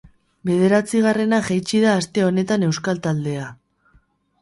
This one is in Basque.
Bederatzigarrenera jaitsi da aste honetan euskal taldea.